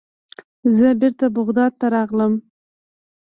زه بیرته بغداد ته راغلم.